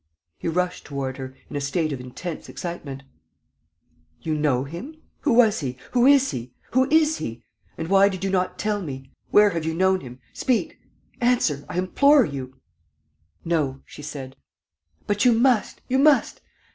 He rushed toward her, in a state of intense excitement: "You know him? Who was he? Who is he? Who is he? And why did you not tell me? Where have you known him? Speak ... answer. ... I implore you. ..." "No," she said. "But you must, you must.